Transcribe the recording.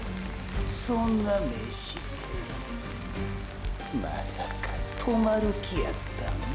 そんな目してぇまさか止まる気やったん？